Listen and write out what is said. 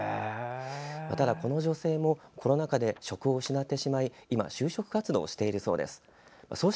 ただ、この女性もコロナ禍で職を失ってしまい今、就職活動をしているそうです。